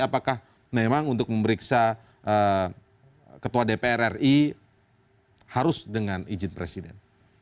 apakah memang untuk memeriksa ketua dpr ri harus dengan izin presiden